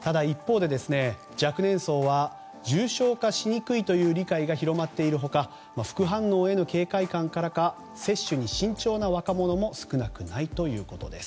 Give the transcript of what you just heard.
ただ一方で若年層は重症化しにくいという理解が広まっている他副反応への警戒感からか接種に慎重な若者も少なくないということです。